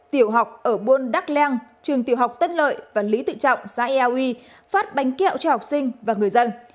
tiểu học ở buôn đắc leng trường tiểu học tân lợi và lý tự trọng xã eau y phát bánh kẹo cho học sinh và người dân